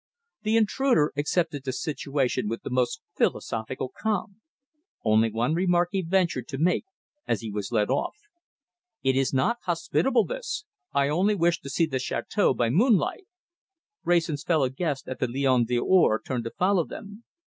The intruder accepted the situation with the most philosophic calm. Only one remark he ventured to make as he was led off. "It is not hospitable, this! I only wished to see the chateâu by moonlight!" Wrayson's fellow guest at the Lion d'Or turned to follow them.